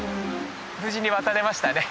無事に渡れましたね。